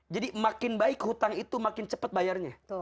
jadi makin baik hutang itu makin cepat bayarnya